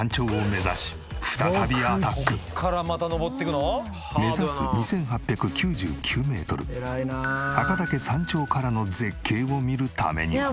目指す２８９９メートル赤岳山頂からの絶景を見るためには。